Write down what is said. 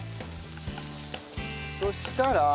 そしたら。